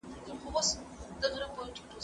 سبزیجات جمع کړه؟